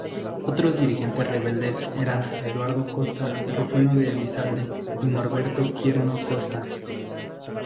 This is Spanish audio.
Otros dirigentes rebeldes eran Eduardo Costa, Rufino de Elizalde y Norberto Quirno Costa.